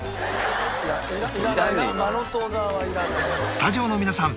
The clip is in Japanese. スタジオの皆さん